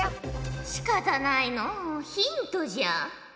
しかたないのうヒントじゃ！